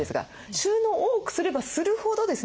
収納を多くすればするほどですね